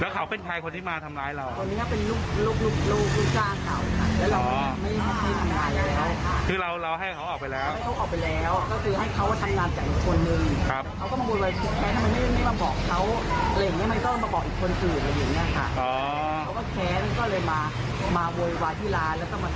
เขาก็แขนก็เลยมาโวยวาทิราณแล้วก็มาทำร้ายเรา